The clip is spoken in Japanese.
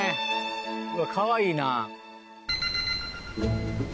うわっかわいいな。